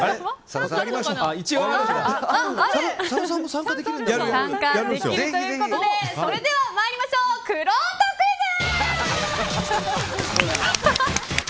佐野さんも参加できるということでそれでは参りましょうくろうとクイズ！